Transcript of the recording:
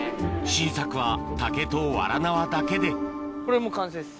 新作は竹とわら縄だけでこれもう完成です。